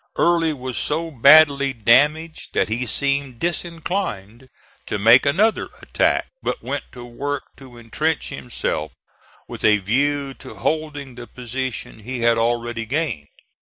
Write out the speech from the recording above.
Early was so badly damaged that he seemed disinclined to make another attack, but went to work to intrench himself with a view to holding the position he had already gained.